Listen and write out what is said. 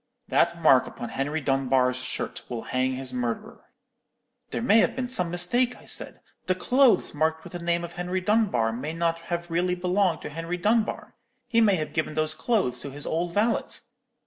That mark upon Henry Dunbar's shirt will hang his murderer.' "'There may have been some mistake,' I said; 'the clothes marked with the name of Henry Dunbar may not have really belonged to Henry Dunbar. He may have given those clothes to his old valet.'